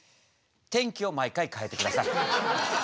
天気を毎回かえて下さい。